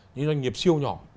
những doanh nghiệp siêu nhỏ